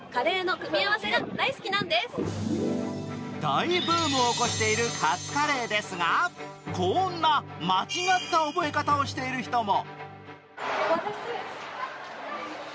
大ブームを起こしているカツカレーですがこんな間違った覚え方をしている人も。